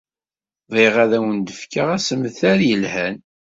Bɣiɣ ad awen-d-fkeɣ assemter yelhan.